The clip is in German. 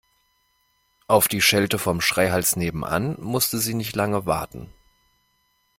Auf die Schelte vom Schreihals nebenan musste sie nicht lange warten.